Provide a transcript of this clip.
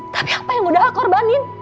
tapi apa yang udah aku korbanin